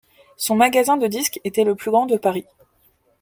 Son magasin de disques était le plus grand de Paris.